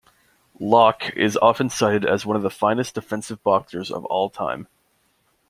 Locche is often cited as one of the finest defensive boxers of all time.